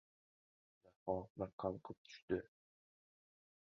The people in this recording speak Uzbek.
Daho bir qalqib tushdi!